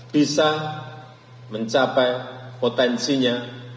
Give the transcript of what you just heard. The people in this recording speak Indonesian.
bisa mencapai potensinya